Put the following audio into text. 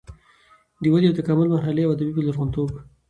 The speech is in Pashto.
د ودې او تکامل مرحلې او ادبي لرغونتوب